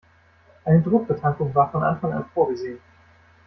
Eine Druckbetankung war von Anfang an vorgesehen.